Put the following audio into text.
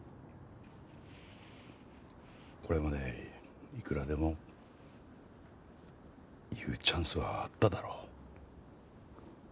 これまでいくらでも言うチャンスはあっただろ。